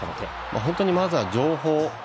本当に、まずは情報。